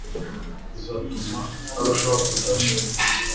bizatuma arushaho kugira ishema